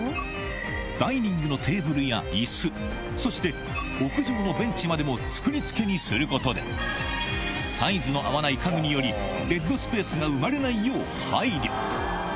ダイニングのテーブルや椅子そして屋上のベンチまでも作り付けにすることでサイズの合わない家具によりだな！